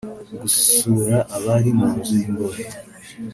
Gusura abari mu nzu y’imbohe